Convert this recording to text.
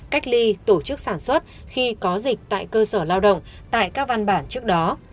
cách ly tổ chức sản xuất khi có dịch tại cơ sở lao động tại các văn bản trước đó